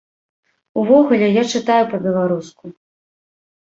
Увогуле, я чытаю па-беларуску.